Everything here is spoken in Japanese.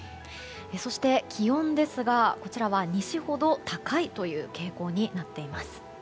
そして気温ですが、こちらは西ほど高い傾向になっています。